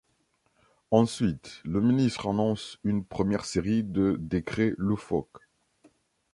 Ensuite, le ministre annonce une première série de décrets loufoques.